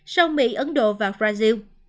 sau mỹ ấn độ và brazil